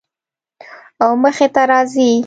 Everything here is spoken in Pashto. او مخې ته راځي